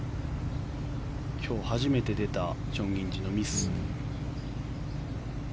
今日、初めて出たチョン・インジのミス。